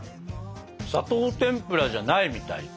砂糖てんぷらじゃないみたい。